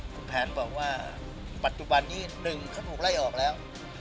คุณแผนบอกว่าปัจจุบันนี้๑เขาถูกไล่ออกแล้ว